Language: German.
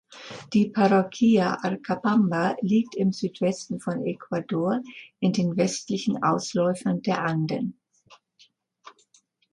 Die Parroquia Arcapamba liegt im Südwesten von Ecuador in den westlichen Ausläufern der Anden.